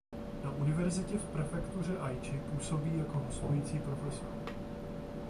Na univerzitě v prefektuře Aiči působí jako hostující profesor.